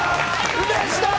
うれしい！